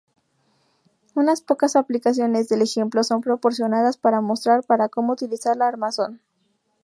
Unas pocas aplicaciones del ejemplo son proporcionadas para mostrar para cómo utilizar la armazón.